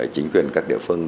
chính quyền các địa phương